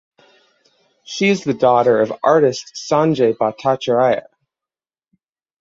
She is the daughter of artist Sanjay Bhattacharya.